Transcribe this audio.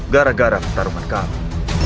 gara gara pertarungan kami